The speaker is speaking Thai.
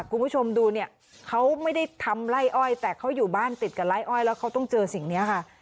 คุณผู้ชมดูเนี่ยเขาไม่ได้ทำไล่อ้อยแต่เขาอยู่บ้านติดกับไล่อ้อยแล้วเขาต้องเจอสิ่งนี้ค่ะ